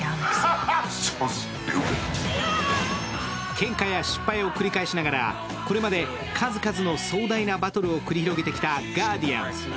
けんかや失敗を繰り返しながらこれまで数々の壮大なバトルを繰り広げてきたガーディアン。